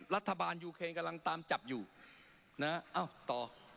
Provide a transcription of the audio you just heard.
รัฐบาลยูเครนกำลังตามจับอยู่ต่อ